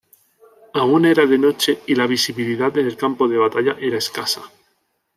Aún era de noche y la visibilidad del campo de batalla era escasa.